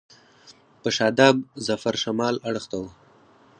په شاداب ظفر شمال اړخ ته و.